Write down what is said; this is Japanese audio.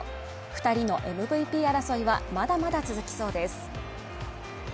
二人のＭＶＰ争いはまだまだ続きそうです